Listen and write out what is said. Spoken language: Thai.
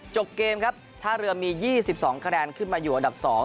จบเกมครับถ้าเรือมียี่สิบสองคะแนนขึ้นมาอยู่อันดับสอง